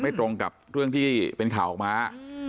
ตรงกับเรื่องที่เป็นข่าวออกมา